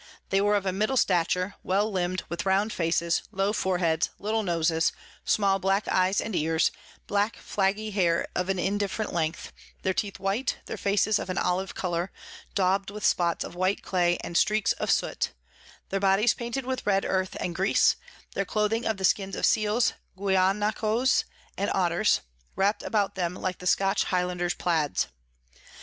They were of a middle Stature, well limb'd, with round Faces, low Foreheads, little Noses, small black Eyes and Ears, black flaggy Hair of an indifferent Length, their Teeth white, their Faces of an Olive Colour, daub'd with Spots of white Clay and Streaks of Soot, their Bodies painted with red Earth and Grease, their Clothing of the Skins of Seals, Guianacoes and Otters, wrapt about them like the Scotch Highlanders Plads.